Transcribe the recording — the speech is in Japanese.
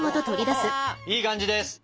いい感じです。